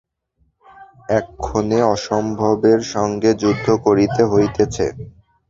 এক্ষণে অসম্ভবের সঙ্গে যুদ্ধ করিতে হইতেছে।